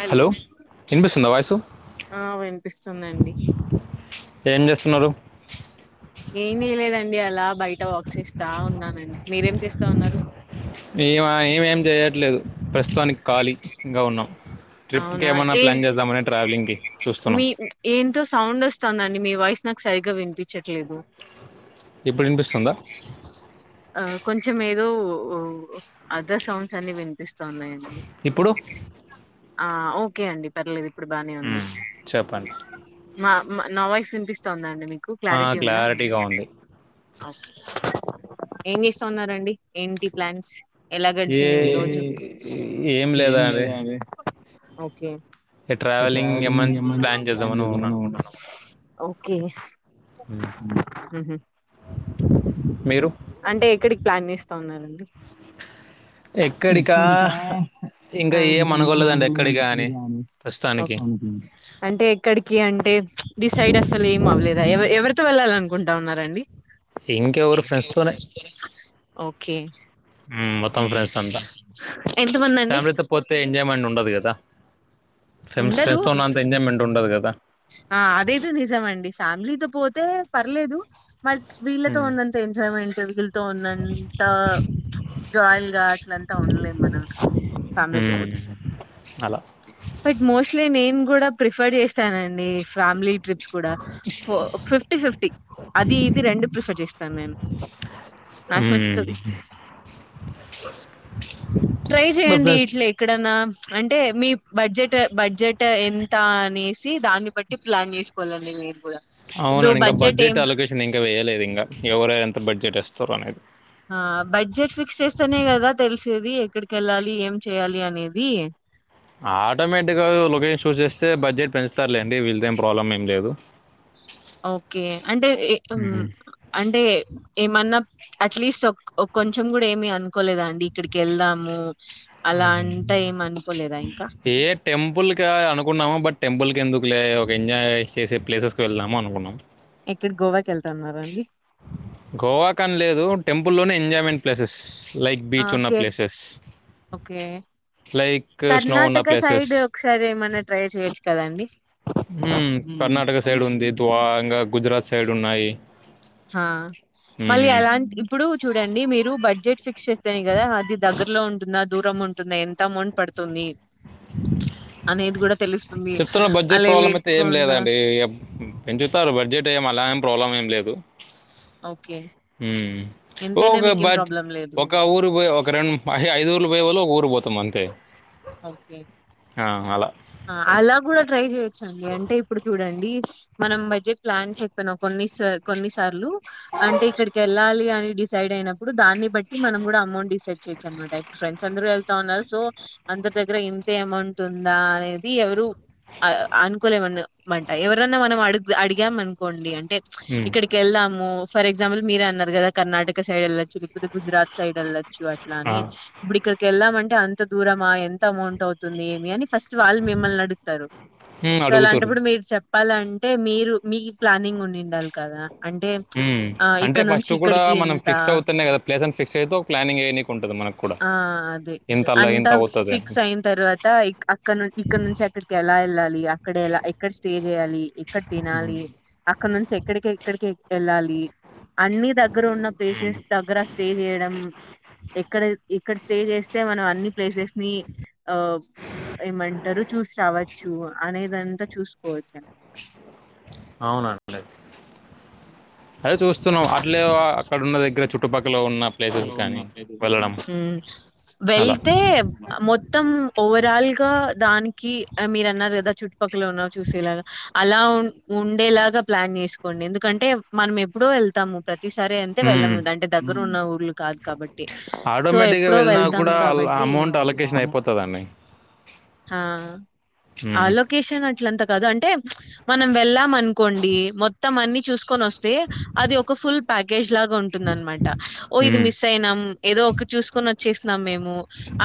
Hello వినిపిస్తుందా voice ఆ వినిపిస్తుందండి. ఏం చేస్తున్నారు? ఏమి లేదండి అలా బయట వాక్ చేస్తా ఉన్నానండి. మీరేం చేస్తా ఉన్నారు. మీమా ఏమేం చేయట్లేదు, ప్రస్తుతానికి ఖాళీ ఇంగా ఉన్నాం. ట్రిప్కి అవునా ఏమన్నా ఏ ప్లాన్ చేద్దామని ట్రావెలింగ్కి చూస్తున్నాం. ఎంతో సౌండ్ వస్తుందండి. మీ వాయిస్ నాకు సరిగ్గా వినిపించట్లేదు. ఇప్పుడు వినిపిస్తుందా. కొంచం ఏదో అదర్ సౌండ్స్ అన్ని వినిపిస్తూ ఉన్నాయండి. ఇప్పుడు ఆ ఓకే అండి పర్లేదు ఇప్పుడు బానే ఉంది చెప్పండి మా నా వాయిస్ వినిపిస్తు ఉందా అండి మీకు ఆ, క్లారిటీ ఉందా క్లారిటీగా ఉంది ఏం జేస్తా ఉన్నారండి ఏంటి ప్లాన్స్ ఎలా ఏ గడిచింది మీరోజు ఏం లేదా ఏమి అండి లేదండి ఓకే ఏ ట్రావెలింగ్ ఏమైనా ఎమన్నా ప్లాన్ చేద్దామని జేదాం అనుకున్నా అనుకుంటున్నాం ఓకే ఊహూ మీరు అంటే ఎక్కడికి ప్లాన్ చేస్ ఎక్కడికా ఇంకా ఏం అంటే ఏమ్ అనుకోలేదండి అనుకోలే ఎక్కడికా అని ప్రస్తుతానికి అంటే ఎక్కడికి అంటే డిసైడ్ అసలు ఏం అవ్వలేదా ఎవ ఎవరితో వెళ్ళాలి అనుకుంటా ఉన్నారండి. ఇంకెవరు ఫ్రెండ్స్ తోనే ఓకే ఉమ్ మొత్తం ఫ్రెండ్స్ అంతా ఎంత మంది అండి ఫ్యామిలీతో పోతే ఎంజాయ్మెంట్ ఉండదు గదా ఉండదూ ఉండదు కదా ఆ అదేది నిజం అండి ఫ్యామిలీతో పోతే పర్లేదు మళ్ వీళ్ళతో మ్మ్. ఉన్నంత ఎంజాయ్మెంట్ వీళ్ళతో ఉన్నంత జాయిల్ గా అట్లంతా ఉండలేము మనం ఫ్యామిలీతో పోతే అలా బట్ మోస్ట్లీ నేన్ గూడా ప్రిఫర్ చేస్తానండి ఫ్యామిలీ ట్రిప్స్ కూడా ఫిఫ్టీ ఫిఫ్టీ అది ఇది రెండు ప్రిఫర్ చేస్తాను నేను నాకు మ్మ్. నచ్చుతది ట్రై ఇప్పుడు జేయండి ఫ్రెండ్స్ ఇట్లా ఎక్కడన్నా అంటే మీ బడ్జెట్ బడ్జెట్ ఎంత అనేసి దాన్ని బట్టి ప్లాన్ జేసుకోవాలండి మీ గూడా అవునండి ఇంగా బడ్జెట్ అలొకేషన్ ఇంకా వేయలేదు ఇంగా ఎవర ఎంత బడ్జెట్ ఎస్తారు అనేది ఆ బడ్జెట్ ఫిక్స్ చేస్తేనే కదా తెలిసేది ఎక్కడికి వెళ్ళాలి ఏం చేయాలి అనేది ఆటోమేటిక్గా లొకేషన్ చూజ్ చేస్తే బడ్జెట్ పెంచుతారులేండి వీళ్ళతో ఏం ప్రాబ్లం ఏం లేదు. ఓకే అంటే అంటే ఏమన్నా అట్లీస్ట్ కొంచెం గూడా ఏమి అనుకోలేదా అండి ఇక్కడికి వెళ్దాము. అలా అంతా ఏం అనుకోలేదా ఇంకా ఏ టెంపుల్ కా అనుకున్నాము బట్ టెంపుల్ కి ఎందుకు లే ఒక ఎంజాయ్ చేసే ప్లేసెస్కి వెళ్దాము అనుకున్నాం ఇప్పుడు గోవాకి వెళ్తా ఉన్నారా అండి గోవా కాని లేదు టెంపుల్లోనే ఎంజాయ్మెంట్ ప్లేసెస్ లైక్ ఆ బీచ్ ఉన్న కేర్ ప్లేసెస్ ఓకే లైక్ స్నో ఉన్న కర్ణాటక ప్లేసెస్ సైడ్ ఒకసారి ఏమైన్నా ట్రై చేయొచ్చు కదండి కర్ణాటక సైడ్ ఉంది ద్వ ఇంగా గుజరాత్ సైడ్ ఉన్నాయి. హా మళ్ళీ హ్మ్ అలాంటి ఇప్పుడు చూడండి మీరు బడ్జెట్ షేస్తనే గదా అది దగ్గరలో ఉంటుందా దూరం ఉంటుందా ఎంత అమౌంట్ పడుతుంది అనేది గూడా తెలుస్తు చెప్తున్న బడ్జెట్ ప్రాబ్లం అయితే ఏం లేదండి పెంచుతారు బడ్జెట్ ఏం అలా ప్రాబ్లం ఏం లేదు ఓకే ఉమ్ ఎంతైనా ఓకే మీకేం బట్ ప్రాబ్లం లేదు ఒక ఊరు పోయే ఒక రెండు ఐదు ఊర్లు పోయేబదులు ఒక ఊరు పోతాం అంతే ఓకే ఆ అలా ఆ ఇలా గూడా ట్రై చేయొచ్చండి అంటే ఇప్పుడు చూడండి మనం బడ్జెట్ ప్లాన్స్ చెక్కన కొన్ని కొన్నిసార్లు అంటే ఇక్కడికి యెళ్ళాలి అని డిసైడ్ అయినప్పుడు దాన్ని బట్టి మనం గూడా అమౌంట్ డిసైడ్ చేయొచ్చ అన్నమాట ఇప్పుడు ఫ్రెండ్స్ అందరూ యెళ్తా ఉన్నారు సో అందరి దగ్గర ఇంతే అమౌంట్ ఉందా అనేది ఎవరు అనుకోలేమంట ఎవరన్నా మనం అ అడిగాము అనుకోండి అంటే ఏ హ్మ్ ఇక్కడికెళ్దాము ఫర్ ఎగ్జాపుల్ మీరు అన్నారు కదా కర్ణటక సైడ్ వెళ్లచ్చు లేకపోతే గుజరాత్ సైడ్ వెళ్ళచ్చు చ్చు అట్లా ఆ అని ఇప్పుడు ఇక్కడికి వెళదామంటే అంత దూరమా ఎంత అమౌంట్ అవుతుంది ఏమి అని ఫస్ట్ చోవాళ్ళు మిమ్మల్ని అడుగుతారు హ్మ్ సో అడుగుతుర్రు అలాంటప్పుడు మీరు చె ప్పాలంటే మీరు మీకు ప్లానింగ్ ఉండిండాలే కదా అంటే ఉ ఆ అంటే ఇక్కడ నుంచి ఫస్ట్ కూడా ఇక్కడికి మనం ఇంత ఫిక్స్ అవుతునే కదా ప్లేస్ అని ఫిక్స్ అయిత ప్లానింగ్ వేయనికి ఉంటుదాన్ ఆ అదే అంట్ తవ్స్ అవుతది ఫిక్స్ అని అయిన తర్వాత ఇక్ అక్ ను ఇక్కడ నుంచి అక్కడికి ఎలా వెళ్ళాలి అక్కడ ఎలా ఎక్కడ స్టే చేయాలి ఇక్కడ తినాలి అక్కడ నుంచి ఎక్కడికి ఎక్కడికి వెళ్ళాలి అన్ని దగ్గర ఉన్న ప్లేసెస్ దగ్గర స్టే చేయడం ఎక్కడ ఇక్కడ స్టే చేస్తే మనం అన్ని ప్లేసెస్ ని ఆ ఏమ్ అంటారు చూసిరావచ్చు అనే దంతా చూసుకోవచ్చు అన్నమాట అవునండి అ అదే చూస్తున్నాం అ అట్లే అక్కడున్న దగ్గర చుట్టుపక్కల ఉన్న ప్లేసెస్ కానీ వెళ్ళడం మ్మ్ అలా వెళ్తే మొత్తం ఓవరాల్ గా దానికి మీరు అన్నారు కదా చుట్టుపక్కల ఉన్నావు చూసేలాగా అలా ఉ ఉండేలాగా గా ప్లాన్ చేసుకోండి ఎందుకంటే మనం ఎప్పుడో వెళ్తాము ప్రతిసారీ అంటే వేళ మ్మ్. అంటే దగ్గర ఉన్న ఊర్లు కద్ కాబట్టి సో ఆటోమేటిక్గా ఎప్పుడో వెళ్ళినా వెళ్తాం కూడా కాబట్టి అమౌంట్ అలొకేషన్ అయిపోతుందండి హా ఆ మ్మ్. లోకషన్ అట్ అట్లంత కాదు అంటే మనం వెళ్ళాం అనుకోండి మొత్తం అన్ని చూసుకొని వస్తే అది ఒక ఫుల్ ప్యాకెజ్ లాగ్ [unintelligible] ఉంటుందనమాట ఓ ఇది మ్మ్. మిస్ అయినాం ఏదో ఒకటి చూసుకొని వచ్చేసన్నాం మేము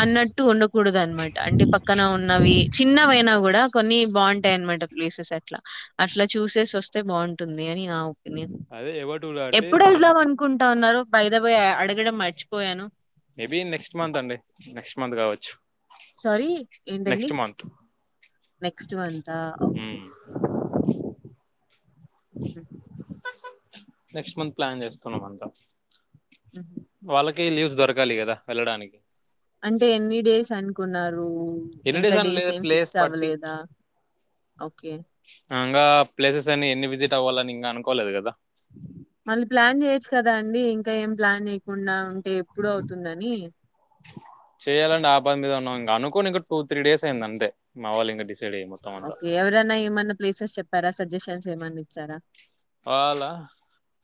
అన్నట్టు ట్ ఉండకూడదు అనమాట అంటే పక్కన ఉన్నవి చిన్నవైనా కూడా కొన్ని బాగుంటాయి అన్నమాట ప్లేసెస్ అట్లా అట్లా చూసేసి వస్తే బాగుంటుంది దే అని నా ఒపీనియన్ అదే ఎవర్ టూ అంటే ఎప్పుడెలదాం కుంటా అన్నారు బాయిదా బై అడగడం మర్చిపోయాను మేబి నెక్స్ట్ మంత్ అండి నెక్స్ట్ మంత్ కావచ్చు సారీ ఏంటండి నెక్స్ట్ మంత్ నెక్స్ట్ మంతా okay [unintelligible] next month plan చేస్తున్నమంతా [unintelligible] [unintelligible] leaves దొరకాలి కదా వెళ్లడానికి కున్నారు ఎన్ని ఇంకా అని డేస్ లేదు ఏం ప్లేస్ ఫిక్స్ అవ్వలేదా ఓకే. ఇంగా ప్లేసెస్ అని ఎన్ని విజిట్ అవ్వాలని ఇంకా అనుకోలేదు కదా మళ్ళీ ప్లాన్ చేయొచ్చు కదా అండి ఇంకా ఏం ప్లాన్ చేయకుండా ఉంటే ఎప్పుడు అవుతుందని చేయాలండి ఆ పని మీద ఉన్నాం ఇంకా అనుకోని ఇంకా టూ త్రీ డేస్ అయింది అంతే మా వాళ్ళ ఇకా ఓకే ఎవరనా ఏమన్నా ప్లేసెస్ చెప్పారా సజెషన్స్ ఏమన్నా ఇచ్చారా వాళ్ళ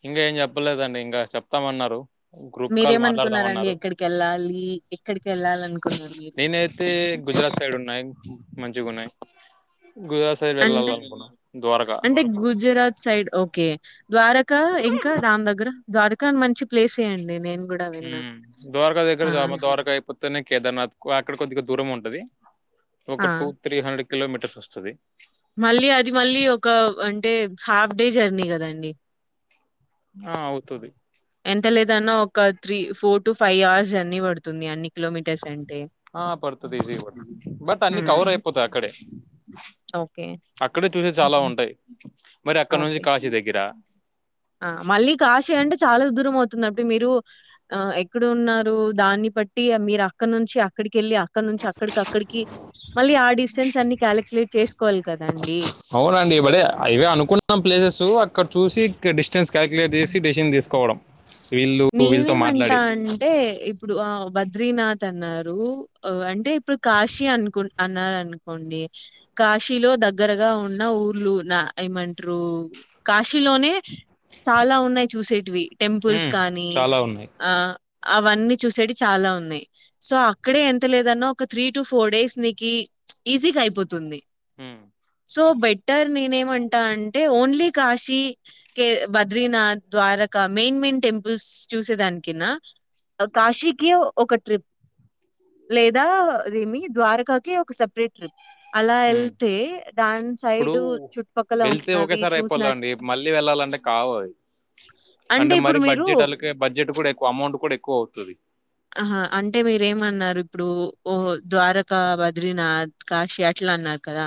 ఇంకా ఏం చెప్పలేదండి ఇంకా చెప్తామన్నారు గ్రూప్ కాల్ మీరేమనుకున్నారండి మాట్లాడదామన్నారు ఎక్కడికి వెళ్ళాలి ఎక్కడికి వెళ్ళాలి అనుకున్నారు మీరు నేనైతే గుజరాత్ సైడ్ ఉన్నాయి మంచిగున్నాయి అంటే ద్వారకా అంటే Gujarat side okay Dwarka ఇంకా దాన్ దగ్గర ద్వారకా మంచి ప్లేసే అండి నేను గూడా ఉ విన్నా. ద్వారకా దగ్గర ఆ! [unintelligible] ద్వారకా అయ్యిపోతేనే కేదార్నాథ్ కు అక్కడ కొద్దిగా దూరం ఉంటాది ఆ! ఒక టూ త్రీ హండ్రెడ్ కిలోమీటర్స్ వస్తాది మళ్ళీ అది మళ్ళీ ఒక అంటే హాఫ్ డే జర్నీ కాదండి ఆ అవుతది ఎంత లేదన్నా ఒక three four to five hours journey పడుతుంది అన్ని కిలోమీటర్స్ అంటే ఆ, పడుతుంది ఈజీగా పడుతుంది బట్ అన్ని కవర్ మ్ అయిపోతాయి అక్కడే ఓకే చూసేయ్ చాలా ఉంటాయ్ మరి అక్కడ నుంచి ఓకే. కాశీ దగ్గర ఆ మళ్ళీ కాశీ అంటే చాలా దు రం అవుతుంది దాప్డు మీరు ఆ ఎక్కడున్నారు దాన్ని బట్టి మీరు అక్కడ నుంచి అక్కడ్ కేళ్ళి అక్కడ నుంచి అక్కడికి అక్కడికి మళ్ళీ ఆ డిస్టెన్స్ అన్ని కాలిక్యులేట్ చేసుకోవాలి కదండి అవునండి ఇవడే అవే అనుకున్నాం ప్లేసెస్ అక్కడ చూసి క డిస్ స్టెన్స్ కాల్యులేట్ చేసి డిసిజన్ తీసుకోవడం వీళ్ళు వీళ్ళతో నేనేమంటా మాట్లాడి అంటే ఇప్పుడు ఆ బద్రీనాథ్ అన్నార్ రు గ్ అంటే ఇప్పుడు కాశీ అనుకు అన్నారు అనుకోండి కాశీలో దగ్గరగా ఉన్న ఊర్లు నా ఏమంట్రూ కాశీలోనే చాలా ఉన్నాయి్ చూసేటివి టెంపుల్స్ ఉమ్, కానీ చాలా ఉన్నాయి ఆ అవన్నీ చూసేవి చాలా ఉన్నాయ్ సో అక్కడే ఎంత లేదన్న ఒక త్రీ టు ఫోర్ డేస్ నీకి ఈజీగైపోతుంది మ్ సో బెట్టర్ నేనే ఏమంటా అంటే ఓన్లీ కాశీ కే Badrinath Dwarka main main temples చూసేదానికినా కాశీకి ఒక ట్రిప్ లేదా అదేమి ద్వారకాకి ఒక సపరేట్ ట్రిప్ అలా ఉమ్. వెళ్తే దాని ఇప్పుడు సైడ్ చుట్టుపక్కల వెళ్తే ఉన్నవి ఒకేసారి చూసిన అయిపోవాలండి మళ్ళీ వెళ్ళాలంటే కావు అవ్ అంటే మరి ఇప్పుడు మీరు బడ్జెట్ అలాకే బడ్జెట్ కూడా ఎక్కువ అమౌంట్ కూడా ఎక్కువ అవుతది ఆహా అంటే మీరేమన్నారు ఇప్పుడు ఓ ద్వారకా బద్రీనాథ్ కాశీ అట్లా అన్నారు కదా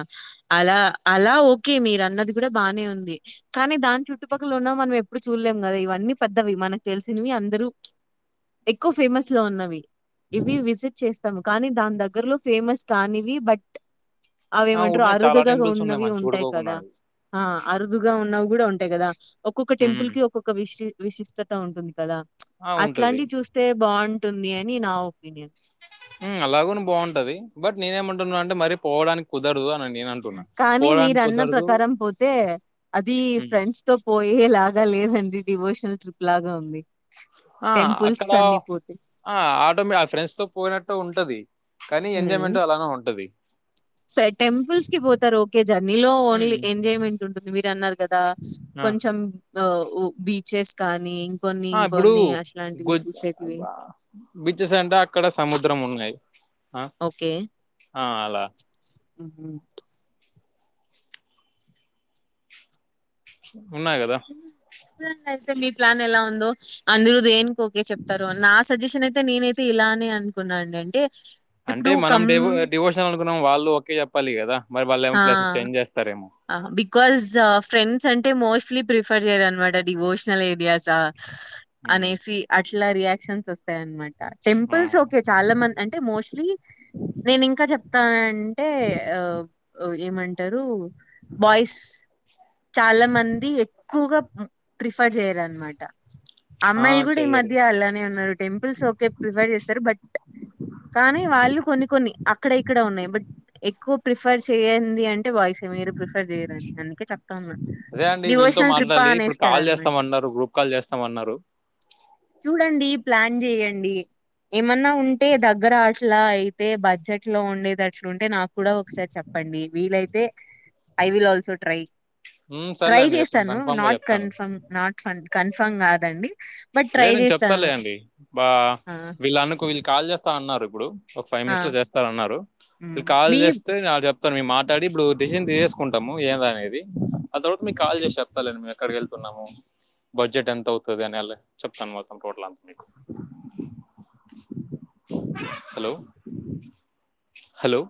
అలా అలా అ ఓకే మీరు అన్నది కూడా బాగానే ఉంది కానీ దాని చుట్టుపక్కల ఉన్నా మనమేప్ ఇప్పుడు చూడలేం కదా ఇవన్నీ పెద్దవి మనకు తెలిసినవి అందరూ ఎక్కువ ఫేమస్ లో ఉన్నవి ఇవి విజిట్ చేస్తాము కానీ దాని దగ్గరలో ఫేమస్ కానివి బట్ ఆ, అవేమంట్రారు ఉన్నాయి చాలా అరుదుగా టెంపుల్స్ ఉన్నాయి ఉన్నవి మంచి ఉంటాయి కదా చూడుకోకున్నాడు అరుదుగా ఉన్నవి కూడా ఉంటాయి కదా ఒక్కొక్క టెంపుల్ ఉమ్, కి ఒక్కొక్క విశ విశిష్టత ఉంటుంది కదా అట్లాంటివి చూస్తే బాగుం హుమ్ అలాగుని బాగుంటది బట్ నేనే ఉంటున్నా అంటే మరీ పోవడానికి కుదర్ కానీ మీరు అన్న ప్రకారం పోతే అది ఉమ్. ఫ్రెండ్స్ తో పోయేలా గా లేదండి డివోషనల్ ట్రిప్ లాగా ఉంది ఆ టెంపుల్స్ అక్కడ అన్ని పోతే ఆ ఆటో మే ఆ ఫ్రెండ్స్ తో పోయినట్టు ఉంటది కానీ ఎంజాయ్మెంట్ అలానే ఉంటది పె టెంపుల్స్ కి పోతారు ఓకే జర్నీలో ఓన్లీ హ్మ్. ఎంజాయ్మెంట్ ఉంటుంది మీరన్నారు కదా ఆ! కొంచెం ఆ ఉ బీచెస్ కానీ ఇంకొన్ని ఆ ఇప్పుడు ఇంకొన్ని గు అట్లాంటివి చూసేటివి ఆ బీచెస్ అంటే అక్కడ సముద్రం ఉన్నాయి ఆ ఆ అలా ఉ ఉన్నాయి కదా అయితే మీ ప్లాన్ ఎలా ఉందో అందురు దేనికోకే చెప్తారు నా సజెషన్ అయి తే నేనైతే ఇలానే అనుకున్నానండి అంటే అంటే ఇప్పుడు మనం కం డివో డివోషన్ అనుకున్నాం వాళ్ళు ే చెప్పాలి కదా మరి వాళ్ళ ఏమో ఆ! ప్లేసెస్ చేంజ్ చేస్తారేమో ఆ బికాజ్ ఫ్రెండ్స్ అంటే మోస్ట్లీ ప్రిఫర్ చేయరునమాట డివోషనల్ ఏ డియాసా స్ హ్మ్. అనేసి అట్లా రియాక్షన్స్ ఒస్ తైయన్మాట టెంపుల్స్ అవును. ఓకే చాలా మంది అంటే మోస్ట్లీ నేను ఇంకా చెప్తానన్ అంటే ఆ గ్ ఏమంటారు బాయిస్ చాలా మంది ఎక్కువ వగా ప్రిఫర్ చేయారనమాట ఆ! అమ్మాయిలు కూడా ఈ చెయ్యరు. మధ్య అలానే ఉన్నారు టెంపుల్స్ ఒకే ప్రిఫర్ చేస్తారు బట్ కానీ వాళ్ళు కొన్ని కొన్ని అక్కడ ఇక్కడ ఉన్నాయి బట్ ఎక్కువ ప్రిఫర్ చేయ్యడి అంటే వాయిస్ ఈ మీరు ప్రిఫర్ చేయ్యరడి అందుకే చెప్తాన్నా అదే అండి వీళ్ళతో మాట్లాడాలి ఇప్పుడు కాల్ చేస్తామన్నారు గ్రూప్ కాల్ చేస్తామన్నారు చూడండి ప్లాన్ చెయ్యడి ఏమన్నా ఉంటే దగ్గర అట్లా అయితే బడ్జెట్ లో ఉండేది అట్లు ఉంటే నాకు కూడా ఒకసారి చెప్పండి వీలైతే ఐ విల్ ఆల్సో ట్రై హ్మ్. ట్రై సర్లే అండి చెప్తాను. చేస్తాను కన్ఫర్మ్‌గా నాట్ జెప్తాను. కన్ఫమ్ నాట్ కన్ఫర్మ్ కాదండి బట్ ట్రై లేదు చే చెప్తాలే అండి బ వీళ్ళ అనుకో వీళ్ళు కాల్ చేస్తా అన్నారు ఇప్పుడు ఒక ఫైవ్ ఆ మినిట్స్ లో చేస్తాను అన్నారు ఉమ్. వీళ్ళు కాల్ మీ చేస్తే చెప్ ప్తా ఇప్పును మే మాట్లాడి ఇప్పుడు డెసిషన్ తీసేసుకుంటాము ఏదా అనేది అ తరత మీకు కాల్ చేసి చెప్తా లెండి ఎక్కడికి వెళ్తున్నాము బడ్జెట్ ఎంత అవుతుంది అనిళ్ళ చెప్తాను మొత్తాం టోటల్ అంతా మీకు హలో హలో